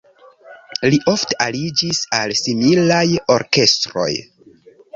Li ofte aliĝis al similaj orkestroj.